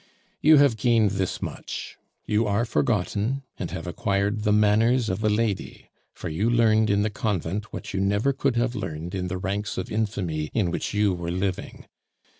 You have gained this much: you are forgotten, and have acquired the manners of a lady, for you learned in the convent what you never could have learned in the ranks of infamy in which you were living.